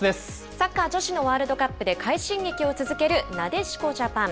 サッカー女子のワールドカップで快進撃を続けるなでしこジャパン。